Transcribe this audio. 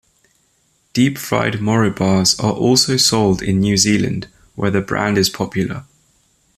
Deep-fried Moro bars are also sold in New Zealand, where the brand is popular.